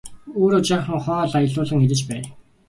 Өөрөө жаахан хоол аялуулан идэж байя!